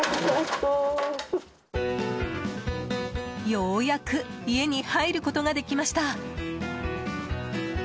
ようやく家に入ることができました。